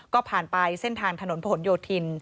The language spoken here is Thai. ก็ผ่านไปเส้นทางถนนผนโยธิน